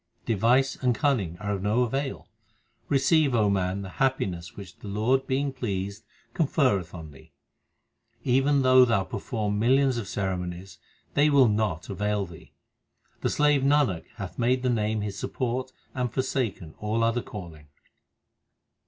Device and cunning are of no avail. Receive, O man, the happiness which the Lord being pleased conferreth on thee. Even though thou perform millions of ceremonies, they will not avail thee. The slave Nanak hath made the Name his support and forsaken all other calling.